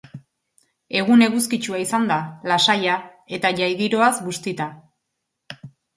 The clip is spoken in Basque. Egun eguzkitxua izan da, lasaia, eta jai-giroaz bustita.